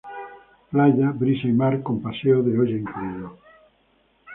Playa, brisa y mar con paseo de olla incluido.